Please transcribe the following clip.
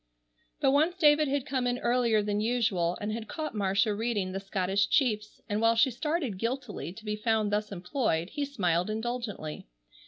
But once David had come in earlier than usual and had caught Marcia reading the Scottish Chiefs, and while she started guiltily to be found thus employed he smiled indulgently.